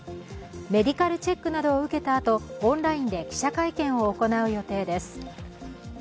メディカルチェックなどを受けたあとオンラインで記者会見を行う予定です。